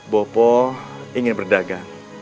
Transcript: bapak ingin berdagang